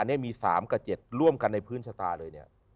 อันนี้มี๓กับ๗ร่วมกันในพื้นชะตาเลยเนี่ย